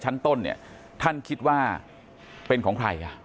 ชั้นต้นเนี่ยท่านคิดว่าเป็นของใครอ่ะ